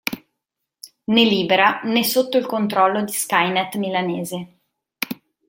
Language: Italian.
Né libera, né sotto il controllo di Skynet Milanese.